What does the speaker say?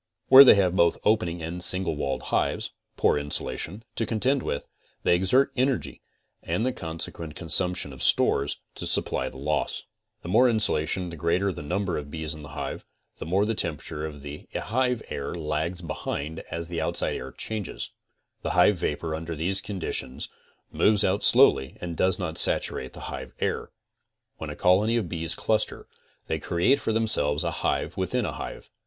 Where they have both opening and single walled hives CONSTRUCTIVE BEEKEEPING 41 (poor insulation) to contend with, they exert energy, and the consequent consumption of stores, to supply the loss. The more insulation and the greater the number of bees in the hive, the more the temperature of the hive air lags behind as the outside temperature changes. The hive vapor under these conditions moves out slowly and does not saturate the hive air, When a colony of bees cluster they create for themselves a hive within a hive.